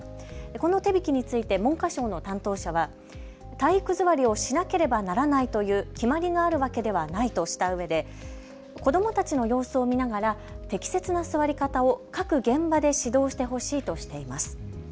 この手引について文科省の担当者は体育座りをしなければならないという決まりがあるわけではないとしたうえで子どもたちの様子を見ながら適切な座り方を各現場で指導してほしいとしています。